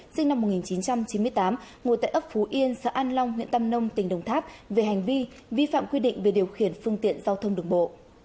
sinh năm một nghìn chín trăm chín mươi tám ngụ tại ấp phú yên xã an long huyện tam nông tỉnh đồng tháp về hành vi vi phạm quy định về điều khiển phương tiện giao thông đường bộ